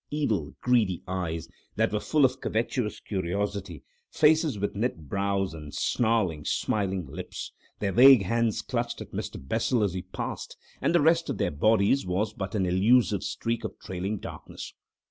Evil, greedy eyes that were full of a covetous curiosity, faces with knit brows and snarling, smiling lips; their vague hands clutched at Mr. Bessel as he passed, and the rest of their bodies was but an elusive streak of trailing darkness.